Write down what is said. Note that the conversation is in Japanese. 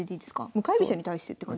向かい飛車に対してって感じ。